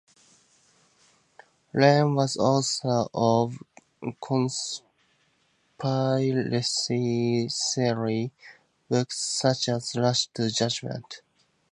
Lane was author of conspiracy theory books such as "Rush to Judgment".